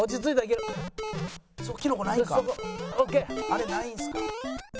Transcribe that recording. あれないんすか？